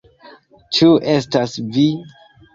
Ĉu estas vi?